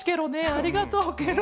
ありがとうケロ。